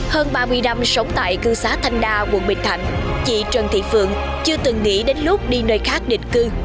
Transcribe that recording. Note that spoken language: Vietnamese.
hơn ba mươi năm sống tại cư xá thanh đa quận bình thạnh chị trần thị phượng chưa từng nghĩ đến lúc đi nơi khác định cư